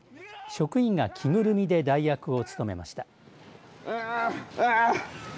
職員が着ぐるみで代役を務めました。